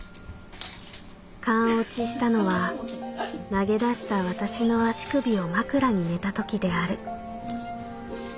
「完オチしたのは投げ出した私の足首を枕に寝たときである」。